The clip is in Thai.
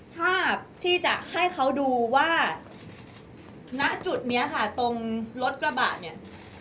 ภาพที่จะให้เขาดูว่าณจุดนี้ค่ะตรงรถกระบะเนี่ย